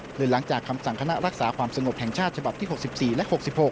หลังจากคำสั่งคณะรักษาความสงบแห่งชาติฉบับที่๖๔และ๖๖